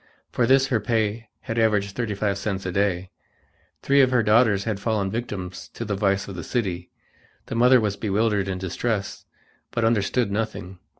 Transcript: For this her pay had averaged thirty five cents a day. Three of her daughters had fallen victims to the vice of the city. The mother was bewildered and distressed, but understood nothing.